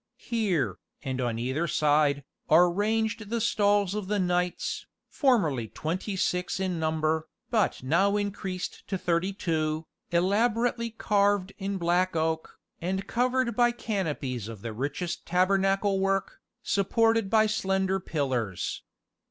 Here, and on either side, are ranged the stalls of the knights, formerly twenty six in number, but now increased to thirty two, elaborately carved in black oak, and covered by canopies of the richest tabernacle work, supported by slender pillars.